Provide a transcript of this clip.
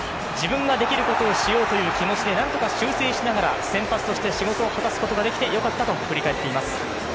初回は少し硬くなったんだが、自分ができることをしようという気持ちで何とか修正しながら、先発として仕事をこなすことができてよかったと振り返っています。